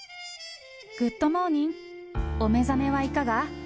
グッドモーニング、お目覚めはいかが？